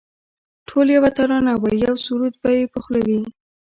ټول یوه ترانه وایی یو سرود به یې په خوله وي